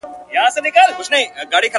که ما کوې، که لالا کوې، که ما کوې.